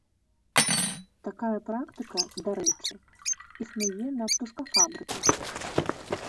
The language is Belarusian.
Такая практыка, дарэчы, існуе на птушкафабрыках.